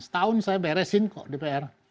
setahun saya beresin kok dpr